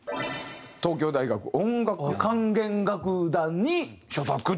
東京大学音楽部管弦楽団に所属という。